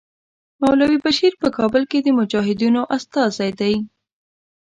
مولوي بشیر په کابل کې د مجاهدینو استازی دی.